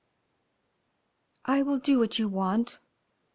"I will do what you want.